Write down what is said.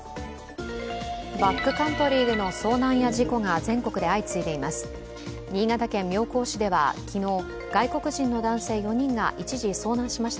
バックカントリーでの遭難や事故が全国で相次いでいます。